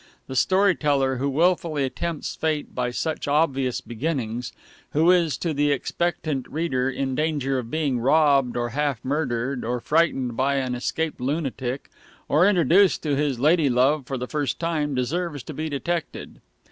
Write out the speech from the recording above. The storyteller who willfully tempts Fate by such obvious beginnings; who is to the expectant reader in danger of being robbed or half murdered, or frightened by an escaped lunatic, or introduced to his ladylove for the first time, deserves to be detected.